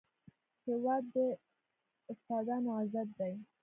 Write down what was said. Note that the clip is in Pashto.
هېواد د استادانو عزت دی.